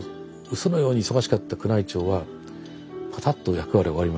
そのように忙しかった宮内庁はパタッと役割を終わりましてですね